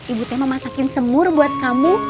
ibu mau masakin semur buat kamu